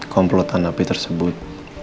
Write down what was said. komplotan napi tersebut